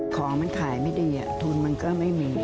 ของมันขายไม่ดีทุนมันก็ไม่มี